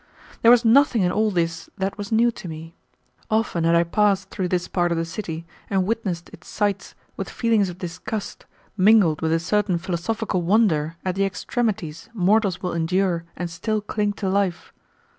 There was nothing in all this that was new to me. Often had I passed through this part of the city and witnessed its sights with feelings of disgust mingled with a certain philosophical wonder at the extremities mortals will endure and still cling to life.